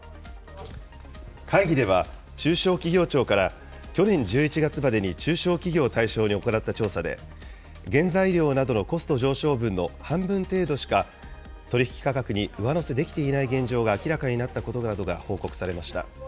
会議では、中小企業庁から去年１１月までに中小企業を対象に行った調査で、原材料などのコスト上昇分の半分程度しか取り引き価格に上乗せできていない現状が明らかになったことなどが報告されました。